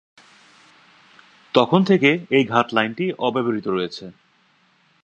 তখন থেকে এই ঘাট লাইনটি অব্যবহৃত রয়েছে।